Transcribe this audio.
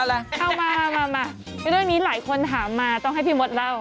เอามามาเรื่องนี้หลายคนถามมาต้องให้พี่มดเล่า